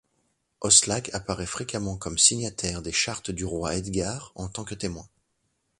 Oslac apparaît fréquemment comme signataire des chartes du roi Edgar en tant que témoin.